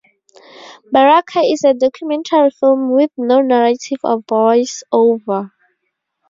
"Baraka" is a documentary film with no narrative or voice-over.